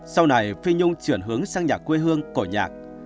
sau này phi nhung chuyển hướng sang nhà quê hương cổ nhạc